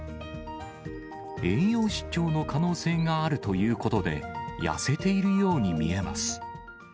栄養失調の可能性があるということで、痩せているように見えます。